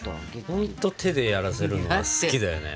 ほんと手でやらせるのが好きだよね。